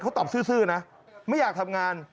เขาตอบซื่อนะไม่อยากทำงาน